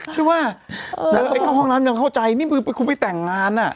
ใช่ป่ะไปเข้าห้องน้ำยังเข้าใจนี่คุณไปแต่งงานอ่ะ